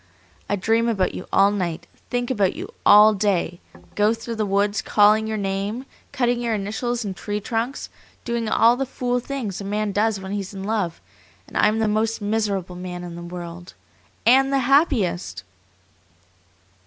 I dream about you all night, think about you all day, go through the woods calling your name, cutting your initials in tree trunks, doing all the fool things a man does when he's in love, and I am the most miserable man in the world and the happiest!"